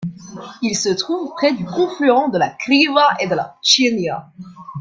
Il se trouve près du confluent de la Kriva et de la Ptchinya.